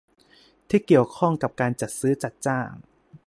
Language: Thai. ที่เกี่ยวข้องกับการจัดซื้อจัดจ้าง